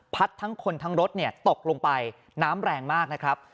ทั้งคนทั้งรถตกลงไปน้ำแรงมากนะครับ